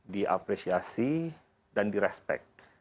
diapresiasi dan direspek